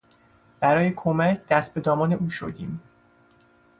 برای کمک دست به دامان او شدیم.